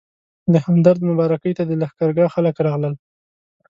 د همدرد مبارکۍ ته د لښکرګاه خلک راغلل.